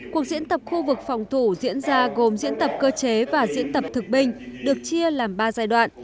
cuộc diễn tập khu vực phòng thủ diễn ra gồm diễn tập cơ chế và diễn tập thực binh được chia làm ba giai đoạn